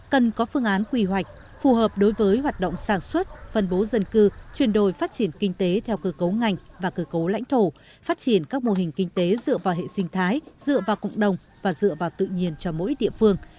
cần có phương án quy hoạch phù hợp đối với hoạt động sản xuất phân bố dân cư chuyển đổi phát triển kinh tế theo cơ cấu ngành và cơ cấu lãnh thổ phát triển các mô hình kinh tế dựa vào hệ sinh thái dựa vào cộng đồng và dựa vào tự nhiên cho mỗi địa phương